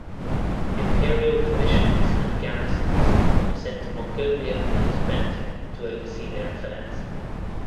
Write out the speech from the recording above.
Imperial commissioners and garrisons were sent to Mongolia and Tibet to oversee their affairs.